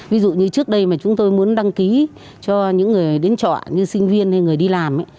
ví dụ như trước đây mà chúng tôi muốn đăng ký cho những người đến trọ như sinh viên hay người đi làm